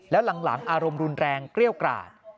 แล้วหลังอารมณ์รุนแรงเกรี้ยวกราด